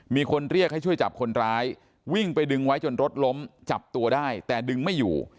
มีคนเรียกให้ช่วยจับคนร้ายวิ่งไปดึงไว้จนรถล้มจับตัวได้แต่ดึงไม่อยู่